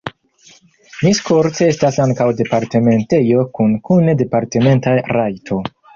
Miskolc estas ankaŭ departementejo kune kun departementa rajto.